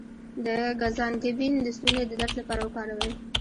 د ګز انګبین د ستوني د درد لپاره وکاروئ